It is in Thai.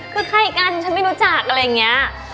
คือใครกันฉันไม่รู้จักอะไรอย่างนี้